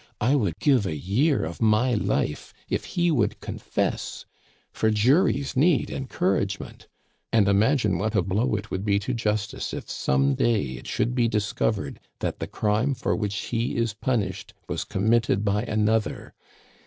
I would give a year of my life if he would confess, for juries need encouragement; and imagine what a blow it would be to justice if some day it should be discovered that the crime for which he is punished was committed by another.